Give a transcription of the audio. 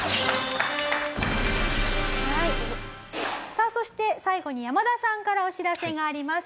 さあそして最後に山田さんからお知らせがあります。